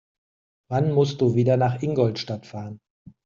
Wann musst du wieder nach Ingolstadt fahren?